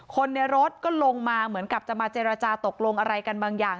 คนในรถก็ลงมาเหมือนกับจะมาเจรจาตกลงอะไรกันบางอย่าง